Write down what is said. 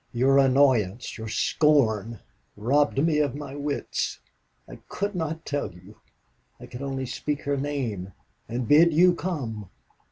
Your annoyance, your scorn, robbed me of my wits. I could not tell you. I could only speak her name and bid you come.